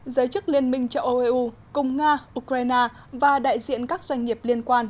giới chức liên minh chậu eu cùng nga ukraine và đại diện các doanh nghiệp liên quan